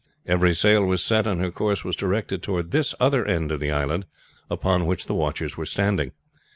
Every sail was set, and her course was directed toward this other end of the island upon which the watchers were standing.